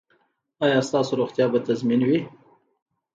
ایا ستاسو روغتیا به تضمین وي؟